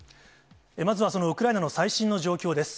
まずは、そのウクライナの最新の状況です。